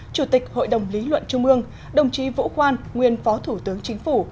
chủ tịch hội đồng lý luận trung ương đồng chí vũ khoan nguyên phó thủ tướng chính phủ